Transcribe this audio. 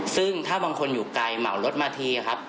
ซึ่งถ้าบางคนอยู่ไกลเหมารถมาทีครับ